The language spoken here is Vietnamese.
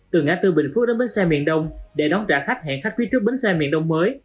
từ ngã tư bình phước đến bến xe miền đông để đón trả khách hẹn khách phía trước bến xe miền đông mới